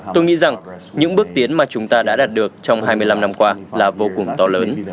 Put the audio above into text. tôi nghĩ rằng những bước tiến mà chúng ta đã đạt được trong hai mươi năm năm qua là vô cùng to lớn